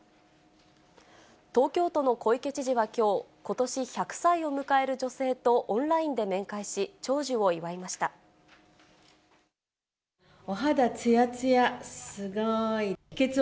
東京都の小池知事はきょう、ことし１００歳を迎える女性とオンラインで面会し、長寿を祝いまお肌つやつや、すごーい。